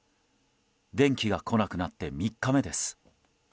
電気が来なくなって３日目です。